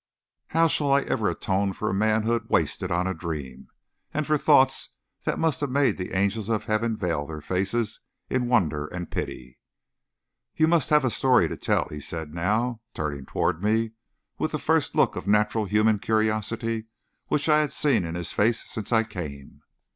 How shall I ever atone for a manhood wasted on a dream, and for thoughts that must have made the angels of Heaven veil their faces in wonder and pity. "You must have a story to tell," he now said, turning toward me, with the first look of natural human curiosity which I had seen in his face since I came.